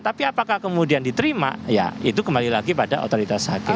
tapi apakah kemudian diterima ya itu kembali lagi pada otoritas hakim